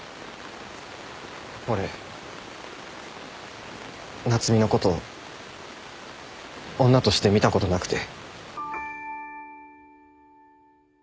俺夏海のこと女として見たことなくて。